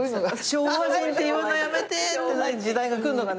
「昭和人って言うのやめて」ってなる時代が来るのかね？